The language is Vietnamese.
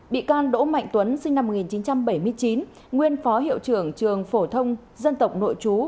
bị can đỗ mạnh tuấn sinh năm một nghìn chín trăm bảy mươi chín nguyên phó hiệu trưởng trường phổ thông dân tộc nội chú